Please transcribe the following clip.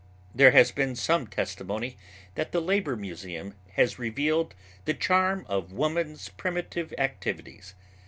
There has been some testimony that the Labor Museum has revealed the charm of woman's primitive activities.